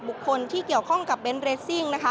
บุคคลที่เกี่ยวข้องกับเบนเรซิ่ง